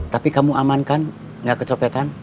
tapi kamu aman kan gak kecopetan